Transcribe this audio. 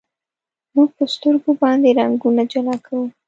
موږ په سترګو باندې رنګونه جلا کوو.